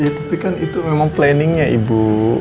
ya tapi kan itu memang planningnya ibu